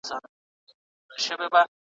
د شته من پر کور یو وخت د غم ناره سوه